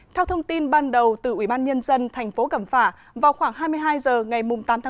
theo thông tin ban đầu từ ủy ban nhân dân tp cẩm phả vào khoảng hai mươi hai h ngày tám một mươi một